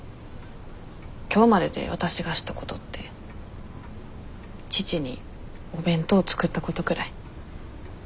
今日まででわたしがしたことって父にお弁当作ったことくらい。